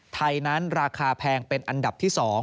ไทยนั้นราคาแพงเป็นอันดับที่๒